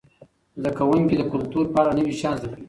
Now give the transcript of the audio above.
زده کوونکي د کلتور په اړه نوي شیان زده کوي.